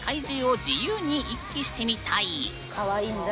かわいいんだ。